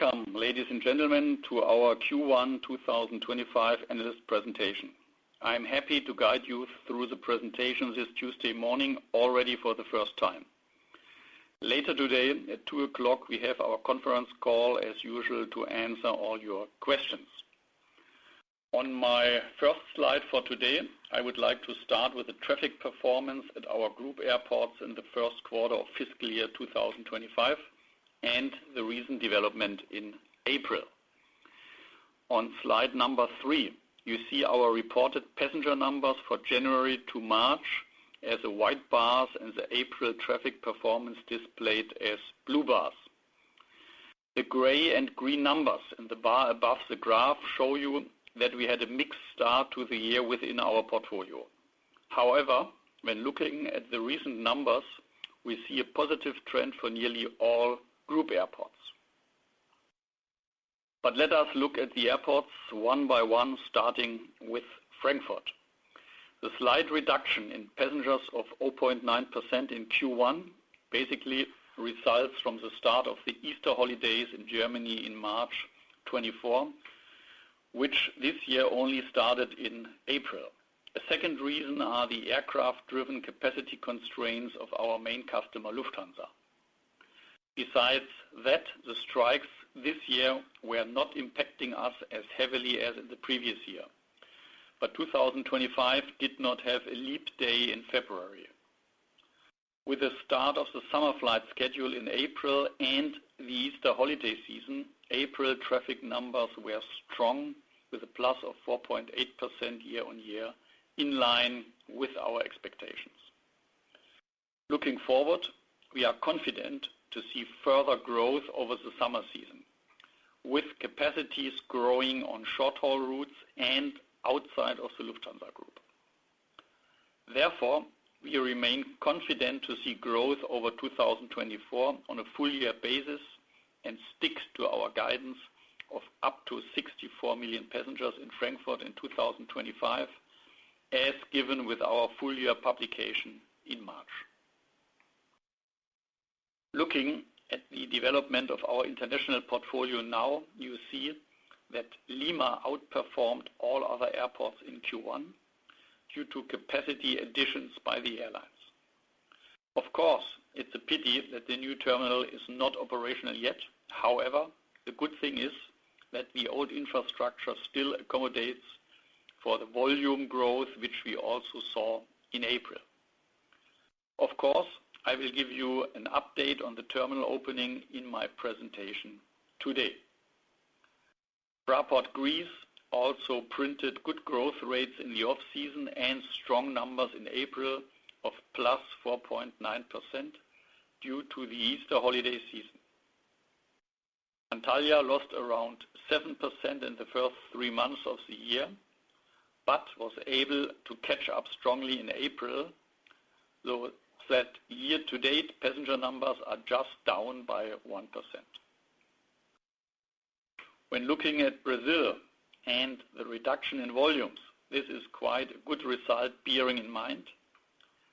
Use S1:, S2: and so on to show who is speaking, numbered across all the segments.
S1: Welcome, ladies and gentlemen, to our Q1 2025 analyst presentation. I am happy to guide you through the presentation this Tuesday morning already for the first time. Later today at 2:00 P.M., we have our conference call, as usual, to answer all your questions. On my first slide for today, I would like to start with the traffic performance at our group airports in the first quarter of fiscal year 2025 and the recent development in April. On slide number three, you see our reported passenger numbers for January to March as the white bars and the April traffic performance displayed as blue bars. The gray and green numbers in the bar above the graph show you that we had a mixed start to the year within our portfolio. However, when looking at the recent numbers, we see a positive trend for nearly all group airports. Let us look at the airports one by one, starting with Frankfurt. The slight reduction in passengers of 0.9% in Q1 basically results from the start of the Easter holidays in Germany in March 2024, which this year only started in April. A second reason are the aircraft-driven capacity constraints of our main customer, Lufthansa. Besides that, the strikes this year were not impacting us as heavily as in the previous year, but 2025 did not have a leap day in February. With the start of the summer flight schedule in April and the Easter holiday season, April traffic numbers were strong with a plus of 4.8% year-on-year, in line with our expectations. Looking forward, we are confident to see further growth over the summer season, with capacities growing on short-haul routes and outside of the Lufthansa group. Therefore, we remain confident to see growth over 2024 on a full-year basis and stick to our guidance of up to 64 million passengers in Frankfurt in 2025, as given with our full-year publication in March. Looking at the development of our international portfolio now, you see that Lima outperformed all other airports in Q1 due to capacity additions by the airlines. Of course, it's a pity that the new terminal is not operational yet. However, the good thing is that the old infrastructure still accommodates for the volume growth which we also saw in April. Of course, I will give you an update on the terminal opening in my presentation today. Fraport Greece also printed good growth rates in the off-season and strong numbers in April of +4.9% due to the Easter holiday season. Antalya lost around 7% in the first three months of the year but was able to catch up strongly in April, though year-to-date passenger numbers are just down by 1%. When looking at Brazil and the reduction in volumes, this is quite a good result bearing in mind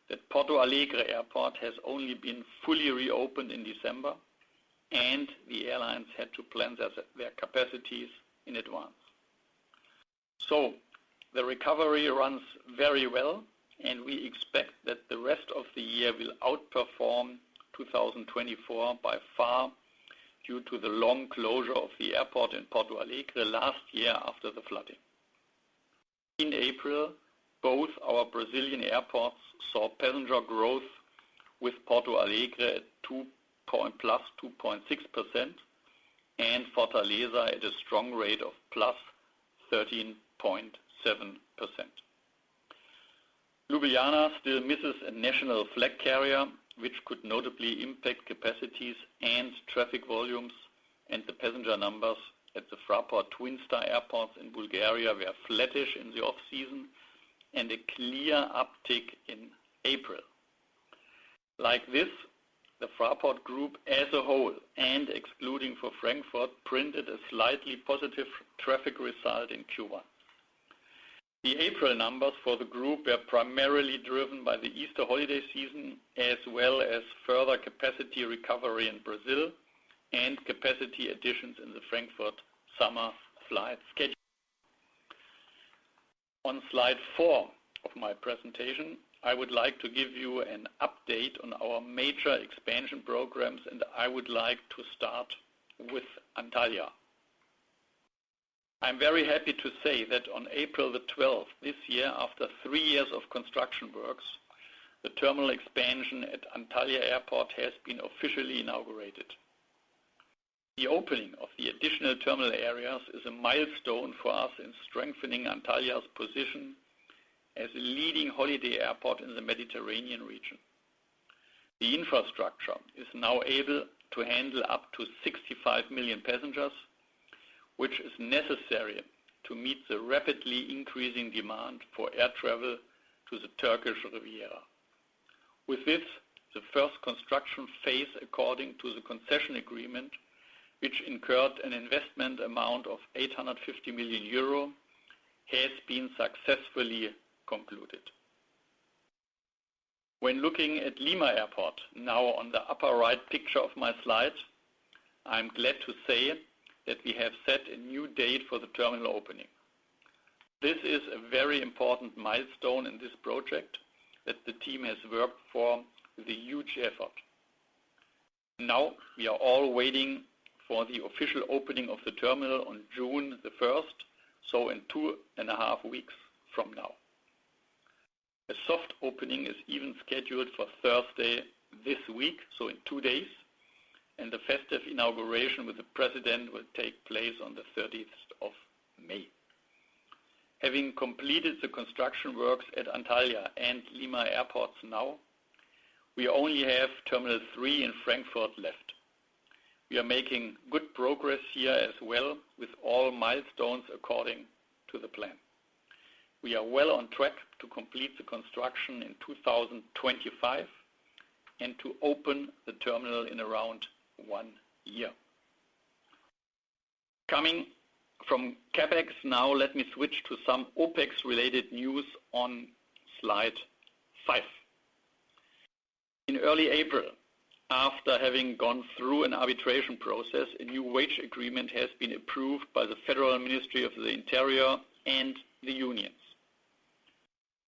S1: that Porto Alegre Airport has only been fully reopened in December, and the airlines had to plan their capacities in advance. The recovery runs very well, and we expect that the rest of the year will outperform 2024 by far due to the long closure of the airport in Porto Alegre last year after the flooding. In April, both our Brazilian airports saw passenger growth with Porto Alegre at +2.6% and Fortaleza at a strong rate of +13.7%. Ljubljana still misses a national flag carrier, which could notably impact capacities and traffic volumes, and the passenger numbers at the Fraport Twin Star Airports in Bulgaria were flattish in the off-season and a clear uptick in April. Like this, the Fraport group as a whole, and excluding Frankfurt, printed a slightly positive traffic result in Q1. The April numbers for the group were primarily driven by the Easter holiday season, as well as further capacity recovery in Brazil and capacity additions in the Frankfurt summer flight schedule. On slide four of my presentation, I would like to give you an update on our major expansion programs, and I would like to start with Antalya. I'm very happy to say that on April 12th this year, after three years of construction works, the terminal expansion at Antalya Airport has been officially inaugurated. The opening of the additional terminal areas is a milestone for us in strengthening Antalya's position as a leading holiday airport in the Mediterranean region. The infrastructure is now able to handle up to 65 million passengers, which is necessary to meet the rapidly increasing demand for air travel to the Turkish Riviera. With this, the first construction phase, according to the concession agreement, which incurred an investment amount of 850 million euro, has been successfully concluded. When looking at Lima Airport, now on the upper right picture of my slide, I'm glad to say that we have set a new date for the terminal opening. This is a very important milestone in this project that the team has worked for with a huge effort. Now we are all waiting for the official opening of the terminal on June the 1st, so in two and a half weeks from now. A soft opening is even scheduled for Thursday this week, so in two days, and the festive inauguration with the president will take place on the 30th of May. Having completed the construction works at Antalya and Lima Airports now, we only have Terminal 3 in Frankfurt left. We are making good progress here as well with all milestones according to the plan. We are well on track to complete the construction in 2025 and to open the terminal in around one year. Coming from CapEx now, let me switch to some OpEx-related news on slide five. In early April, after having gone through an arbitration process, a new wage agreement has been approved by the Federal Ministry of the Interior and the unions.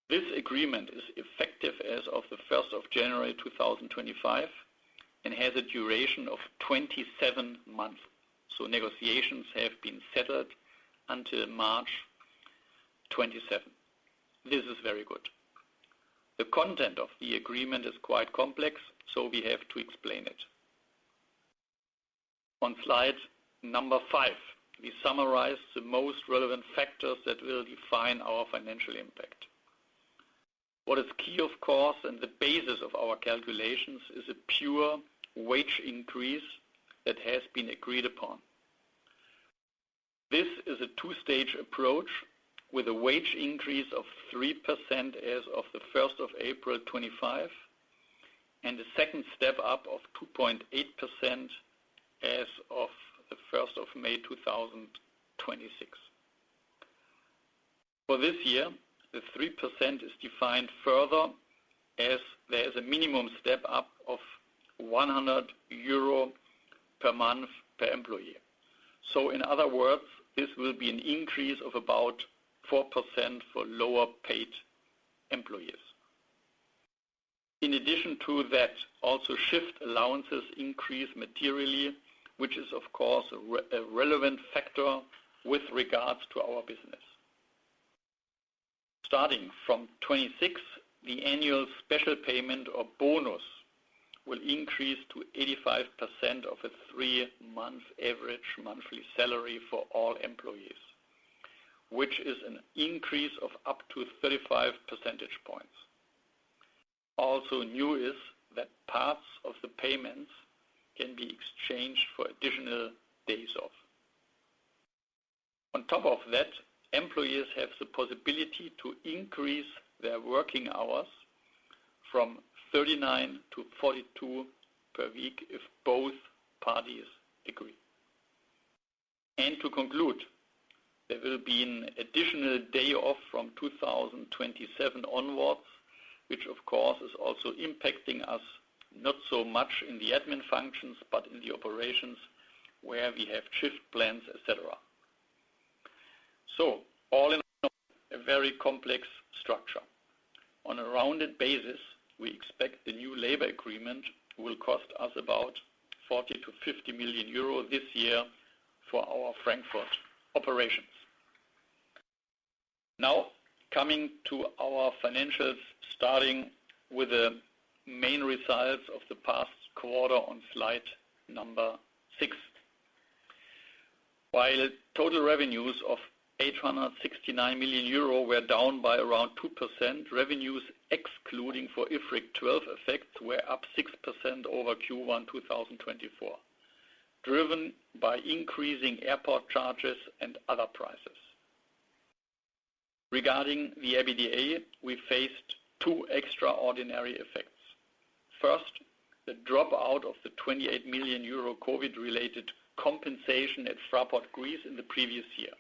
S1: This agreement is effective as of the 1st of January 2025 and has a duration of 27 months, so negotiations have been settled until March 27th. This is very good. The content of the agreement is quite complex, so we have to explain it. On slide number five, we summarize the most relevant factors that will define our financial impact. What is key, of course, and the basis of our calculations is a pure wage increase that has been agreed upon. This is a two-stage approach with a wage increase of 3% as of the 1st of April 2025 and a second step up of 2.8% as of the 1st of May 2026. For this year, the 3% is defined further as there is a minimum step up of 100 euro per month per employee. In other words, this will be an increase of about 4% for lower-paid employees. In addition to that, also shift allowances increase materially, which is, of course, a relevant factor with regards to our business. Starting from 2026, the annual special payment or bonus will increase to 85% of a three-month average monthly salary for all employees, which is an increase of up to 35 percentage points. Also new is that parts of the payments can be exchanged for additional days off. On top of that, employees have the possibility to increase their working hours from 39-42 per week if both parties agree. To conclude, there will be an additional day off from 2027 onwards, which, of course, is also impacting us not so much in the admin functions, but in the operations where we have shift plans, etc. All in all, a very complex structure. On a rounded basis, we expect the new labor agreement will cost us about 40 million-50 million euro this year for our Frankfurt operations. Now coming to our financials, starting with the main results of the past quarter on slide number six. While total revenues of 869 million euro were down by around 2%, revenues excluding for IFRIC 12 effects were up 6% over Q1 2024, driven by increasing airport charges and other prices. Regarding the EBITDA, we faced two extraordinary effects. First, the dropout of the 28 million euro COVID-related compensation at Fraport Greece in the previous year.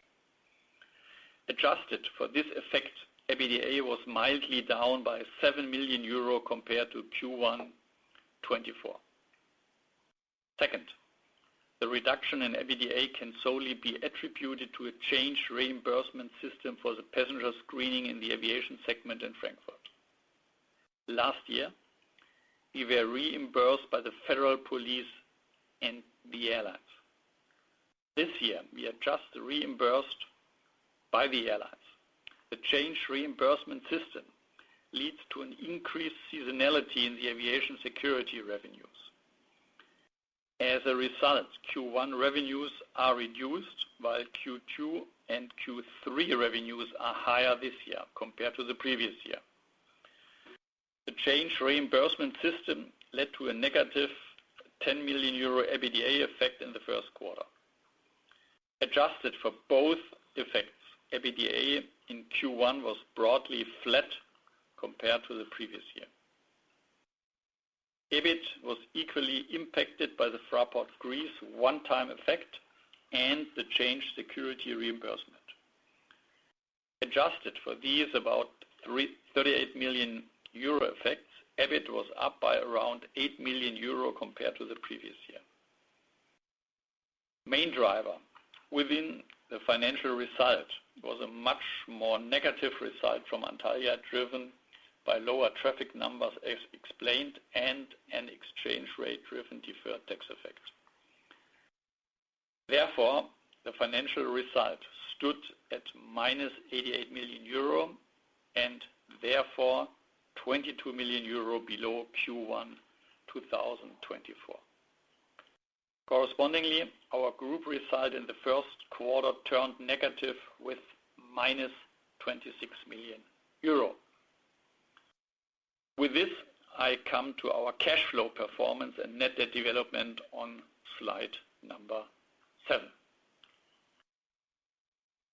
S1: Adjusted for this effect, EBITDA was mildly down by 7 million euro compared to Q1 2024. Second, the reduction in EBITDA can solely be attributed to a change reimbursement system for the passenger screening in the aviation segment in Frankfurt. Last year, we were reimbursed by the Federal Police and the airlines. This year, we are just reimbursed by the airlines. The change reimbursement system leads to an increased seasonality in the aviation security revenues. As a result, Q1 revenues are reduced, while Q2 and Q3 revenues are higher this year compared to the previous year. The change reimbursement system led to a -10 million euro EBITDA effect in the first quarter. Adjusted for both effects, EBITDA in Q1 was broadly flat compared to the previous year. EBIT was equally impacted by the Fraport Greece one-time effect and the change security reimbursement. Adjusted for these about 38 million euro effects, EBIT was up by around 8 million euro compared to the previous year. Main driver within the financial result was a much more negative result from Antalya driven by lower traffic numbers as explained and an exchange rate-driven deferred tax effect. Therefore, the financial result stood at -88 million euro and therefore 22 million euro below Q1 2024. Correspondingly, our group result in the first quarter turned negative with -26 million euro. With this, I come to our cash flow performance and net debt development on slide number seven.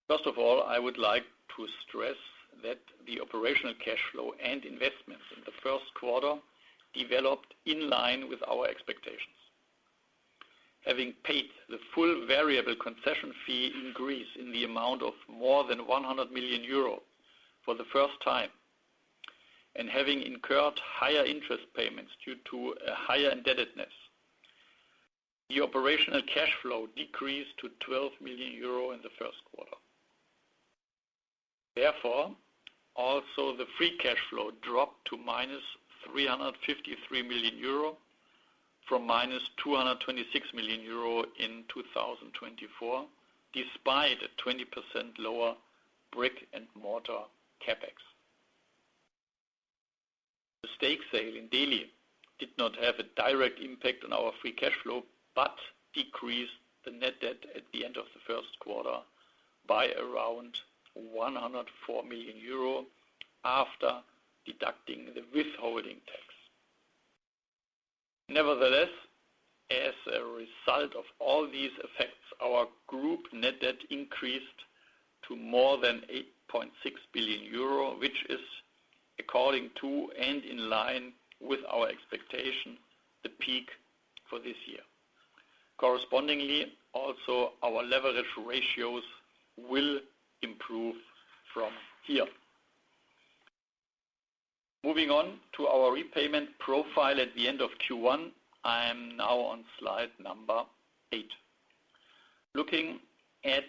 S1: First of all, I would like to stress that the operational cash flow and investments in the first quarter developed in line with our expectations. Having paid the full variable concession fee in Greece in the amount of more than 100 million euro for the first time and having incurred higher interest payments due to a higher indebtedness, the operational cash flow decreased to 12 million euro in the first quarter. Therefore, also the free cash flow dropped to -353 million euro from -226 million euro in 2024, despite a 20% lower brick-and-mortar CapEx. The stake sale in Delhi did not have a direct impact on our free cash flow but decreased the net debt at the end of the first quarter by around 104 million euro after deducting the withholding tax. Nevertheless, as a result of all these effects, our group net debt increased to more than 8.6 billion euro, which is, according to and in line with our expectation, the peak for this year. Correspondingly, also our leverage ratios will improve from here. Moving on to our repayment profile at the end of Q1, I'm now on slide number eight. Looking at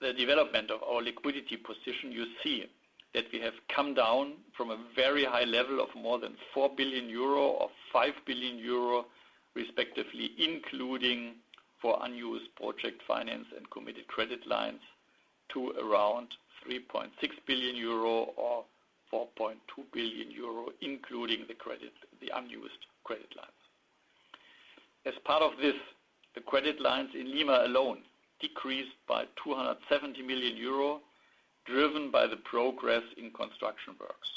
S1: the development of our liquidity position, you see that we have come down from a very high level of more than 4 billion euro or 5 billion euro, respectively, including for unused project finance and committed credit lines to around 3.6 billion euro or 4.2 billion euro, including the unused credit lines. As part of this, the credit lines in Lima alone decreased by 270 million euro, driven by the progress in construction works.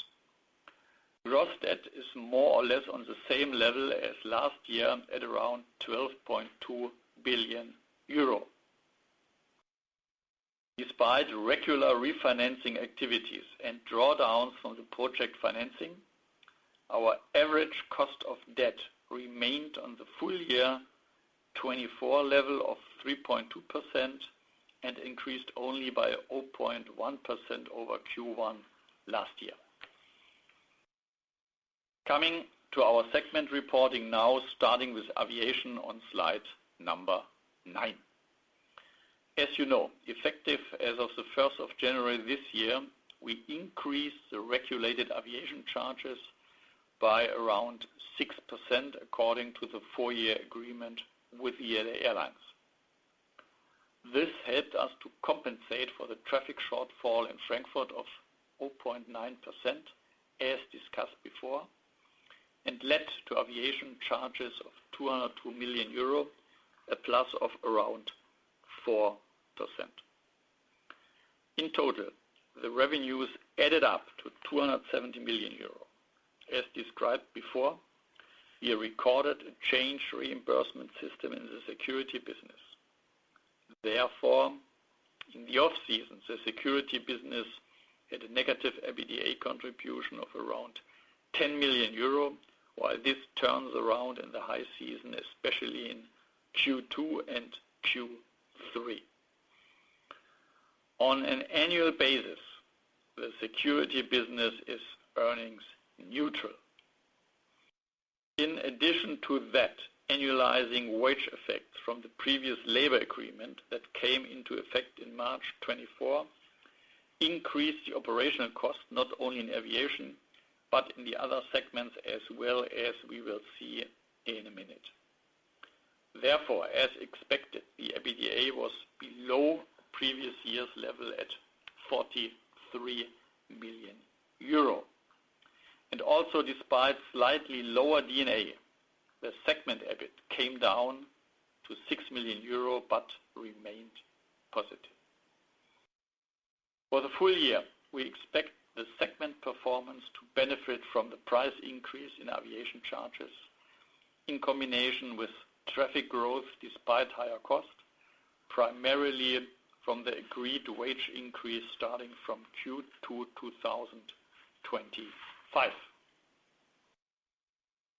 S1: Gross debt is more or less on the same level as last year at around 12.2 billion euro. Despite regular refinancing activities and drawdowns from the project financing, our average cost of debt remained on the full year 2024 level of 3.2% and increased only by 0.1% over Q1 last year. Coming to our segment reporting now, starting with aviation on slide number nine. As you know, effective as of the 1st of January this year, we increased the regulated aviation charges by around 6% according to the four-year agreement with EAA Airlines. This helped us to compensate for the traffic shortfall in Frankfurt of 0.9%, as discussed before, and led to aviation charges of 202 million euro, a plus of around 4%. In total, the revenues added up to 270 million euro. As described before, we recorded a change reimbursement system in the security business. Therefore, in the off-season, the security business had a negative EBITDA contribution of around 10 million euro, while this turns around in the high season, especially in Q2 and Q3. On an annual basis, the security business is earnings neutral. In addition to that, annualizing wage effects from the previous labor agreement that came into effect in March 2024 increased the operational cost not only in aviation but in the other segments as well as we will see in a minute. Therefore, as expected, the EBITDA was below previous year's level at 43 million euro. Also, despite slightly lower D&A, the segment EBIT came down to 6 million euro but remained positive. For the full year, we expect the segment performance to benefit from the price increase in aviation charges in combination with traffic growth despite higher costs, primarily from the agreed wage increase starting from Q2 2025.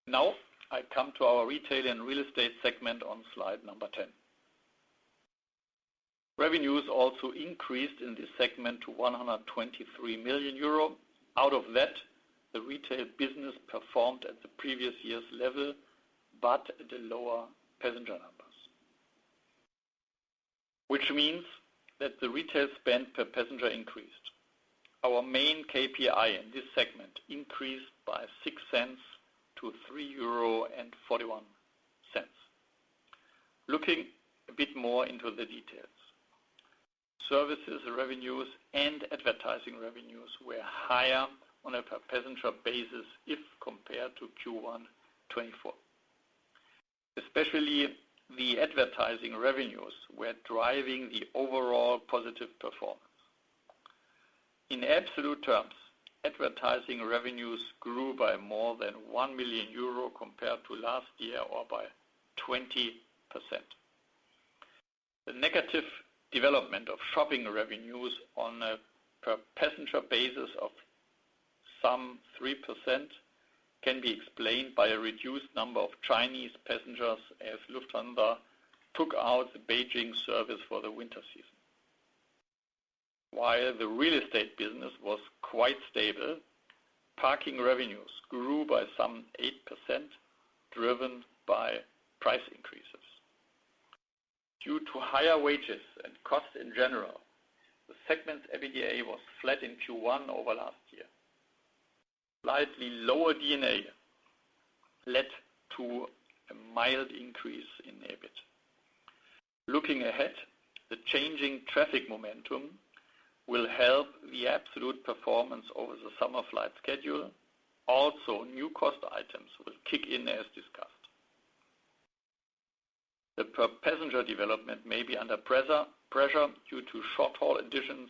S1: Now I come to our retail and real estate segment on slide number 10. Revenues also increased in this segment to 123 million euro. Out of that, the retail business performed at the previous year's level but at a lower passenger numbers, which means that the retail spend per passenger increased. Our main KPI in this segment increased by 0.06-3.41 euro. Looking a bit more into the details, services revenues and advertising revenues were higher on a per passenger basis if compared to Q1 2024. Especially, the advertising revenues were driving the overall positive performance. In absolute terms, advertising revenues grew by more than 1 million euro compared to last year or by 20%. The negative development of shopping revenues on a per passenger basis of some 3% can be explained by a reduced number of Chinese passengers as Lufthansa took out the Beijing service for the winter season. While the real estate business was quite stable, parking revenues grew by some 8% driven by price increases. Due to higher wages and costs in general, the segment's EBITDA was flat in Q1 over last year. Slightly lower D&A led to a mild increase in EBIT. Looking ahead, the changing traffic momentum will help the absolute performance over the summer flight schedule. Also, new cost items will kick in as discussed. The per passenger development may be under pressure due to short-haul additions,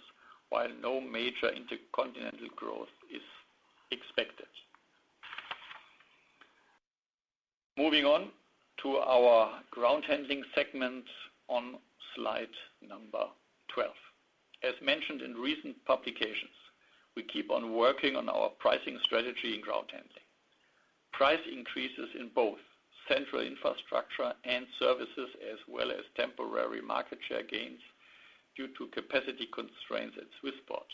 S1: while no major intercontinental growth is expected. Moving on to our ground handling segment on slide number 12. As mentioned in recent publications, we keep on working on our pricing strategy in ground handling. Price increases in both central infrastructure and services, as well as temporary market share gains due to capacity constraints at Swissport,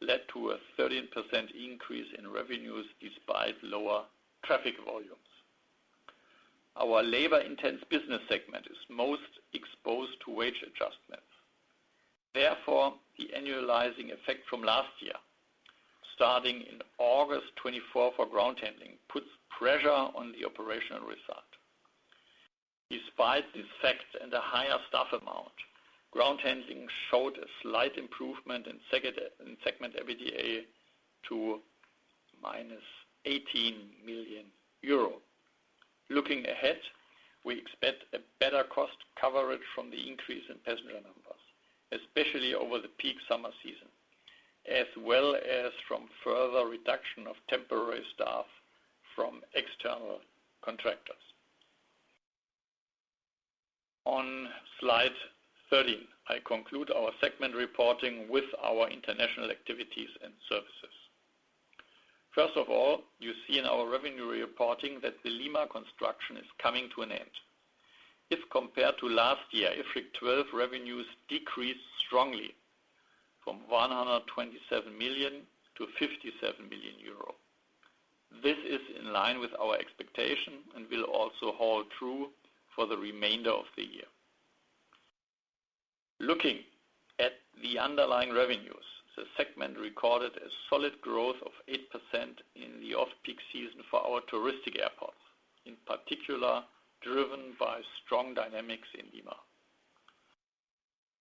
S1: led to a 13% increase in revenues despite lower traffic volumes. Our labor-intense business segment is most exposed to wage adjustments. Therefore, the annualizing effect from last year, starting in August 2024 for ground handling, puts pressure on the operational result. Despite this fact and a higher staff amount, ground handling showed a slight improvement in segment EBITDA to -18 million euro. Looking ahead, we expect a better cost coverage from the increase in passenger numbers, especially over the peak summer season, as well as from further reduction of temporary staff from external contractors. On slide 13, I conclude our segment reporting with our international activities and services. First of all, you see in our revenue reporting that the Lima construction is coming to an end. If compared to last year, IFRIC 12 revenues decreased strongly from 127 million to 57 million euro. This is in line with our expectation and will also hold true for the remainder of the year. Looking at the underlying revenues, the segment recorded a solid growth of 8% in the off-peak season for our touristic airports, in particular driven by strong dynamics in Lima.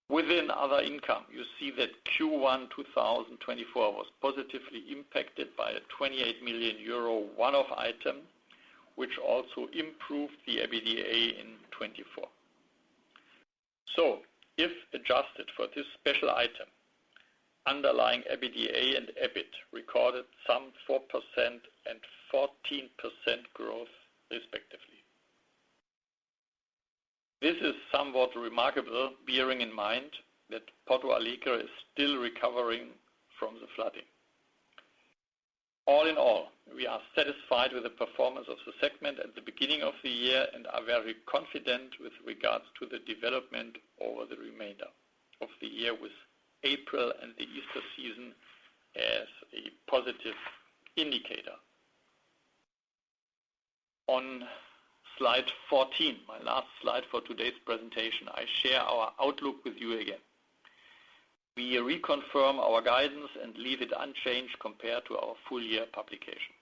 S1: Within other income, you see that Q1 2024 was positively impacted by a 28 million euro one-off item, which also improved the EBITDA in 2024. If adjusted for this special item, underlying EBITDA and EBIT recorded some 4% and 14% growth, respectively. This is somewhat remarkable, bearing in mind that Porto Alegre is still recovering from the flooding. All in all, we are satisfied with the performance of the segment at the beginning of the year and are very confident with regards to the development over the remainder of the year, with April and the Easter season as a positive indicator. On slide 14, my last slide for today's presentation, I share our outlook with you again. We reconfirm our guidance and leave it unchanged compared to our full year publication.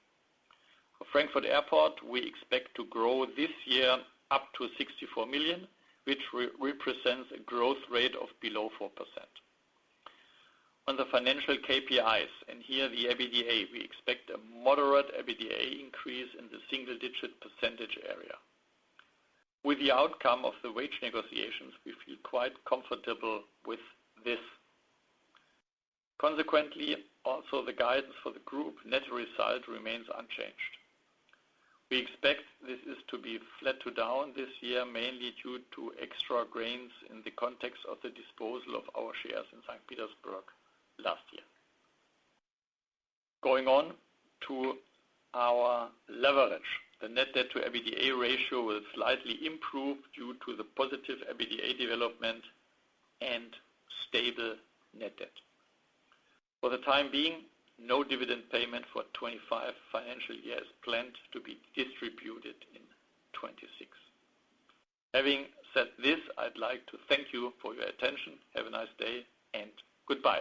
S1: For Frankfurt Airport, we expect to grow this year up to 64 million, which represents a growth rate of below 4%. On the financial KPIs, and here the EBITDA, we expect a moderate EBITDA increase in the single-digit percentage area. With the outcome of the wage negotiations, we feel quite comfortable with this. Consequently, also the guidance for the group net result remains unchanged. We expect this is to be flat to down this year, mainly due to extra gains in the context of the disposal of our shares in St. Petersburg last year. Going on to our leverage, the net debt to EBITDA ratio will slightly improve due to the positive EBITDA development and stable net debt. For the time being, no dividend payment for 2025 financial year is planned to be distributed in 2026. Having said this, I'd like to thank you for your attention. Have a nice day and goodbye.